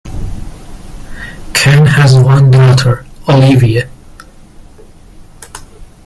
Ken has one daughter, Olivia.